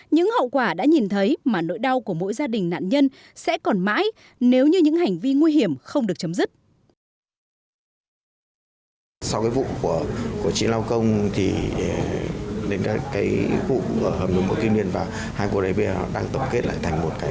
những hậu quả đã nhìn thấy mà nỗi đau của mỗi gia đình nạn nhân sẽ còn mãi nếu như những hành vi nguy hiểm không được chấm dứt